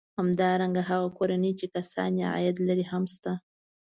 همدارنګه هغه کورنۍ چې کسان یې عاید لري هم شته